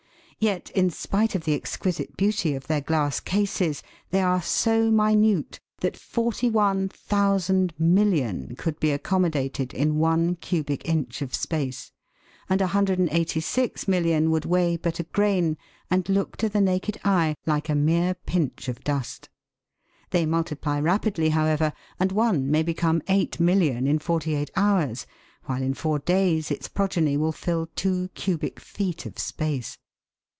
Yet in spite of the exquisite beauty of their glass cases, they are so minute that 41,000,000,000 could be accommo dated in one cubic inch of space, and 186,000,000 would weigh but a grain and look to the naked eye like a mere pinch of dust. They multiply rapidly, however, and one may become 8,000,000 in forty eight hours, while in four days its progeny will fill two cubic feet of space.